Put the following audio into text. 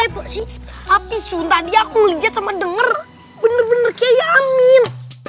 itu sih tapi sudah di aku lihat sama denger bener bener kayak amin